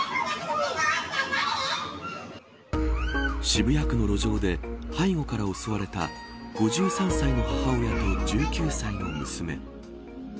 渋谷区の路上で背後から襲われた５３歳の母親と１９歳の娘。